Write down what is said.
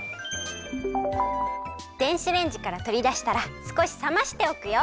電子レンジからとりだしたらすこしさましておくよ。